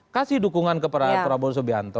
kasih dukungan kepada prabowo subianto